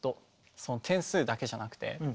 点数だけじゃなくて。